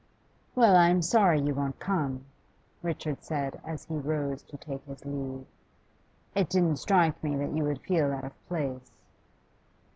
'Well, I'm sorry you won't come,' Richard said as he rose to take his leave. 'It didn't strike me that you would feel out of place.